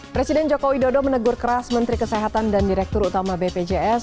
presiden joko widodo menegur keras menteri kesehatan dan direktur utama bpjs